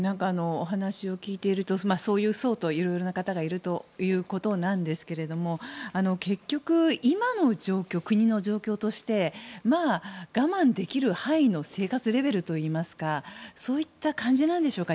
お話を聞いているとそういう層がいるということなんですが結局、今の状況国の状況としてまあ我慢できる範囲の生活レベルといいますかそういった感じなんでしょうか？